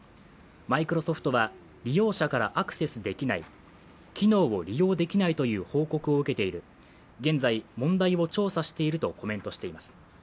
マイクロソフトは利用者からアクセスできない機能を利用できないという報告を受けている、現在、問題を調査しているとコメントしています。